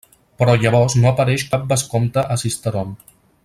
Però llavors no apareix cap vescomte a Sisteron.